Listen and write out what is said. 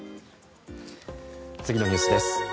次のニュースです。